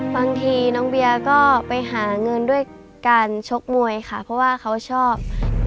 บางทีน้องเบียร์ก็ไปหาเงินด้วยการชกมวยค่ะเพราะว่าเขาชอบ